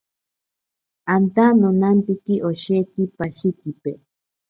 Anta nonampiki osheki pashikipe.